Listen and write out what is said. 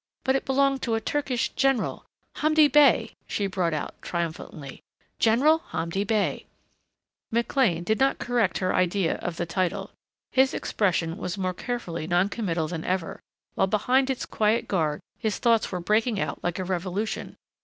But it belonged to a Turkish general. Hamdi Bey," she brought out triumphantly. "General Hamdi Bey." McLean did not correct her idea of the title. His expression was more carefully non committal than ever, while behind its quiet guard his thoughts were breaking out like a revolution.